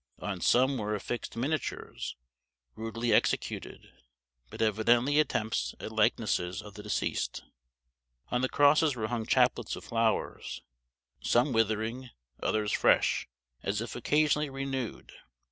On some were affixed miniatures, rudely executed, but evidently attempts at likenesses of the deceased. On the crosses were hung chaplets of flowers, some withering others fresh, as if occasionally renewed.